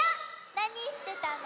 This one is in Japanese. なにしてたの？